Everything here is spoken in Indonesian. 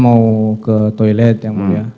mau ke toilet yang mulia